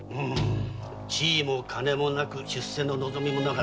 地位も金もなく出世の望みもなかった。